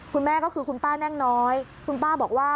คุณแม่ก็คือคุณป้าแน่งน้อยคุณป้าบอกว่า